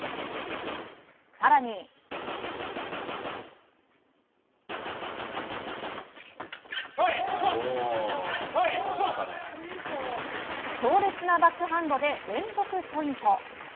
更に、強烈なバックハンドで連続ポイント。